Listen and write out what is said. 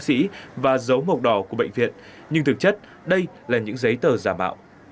trưởng và dấu mộc đỏ của bệnh viện nhưng thực chất đây là những giấy tờ giả mạo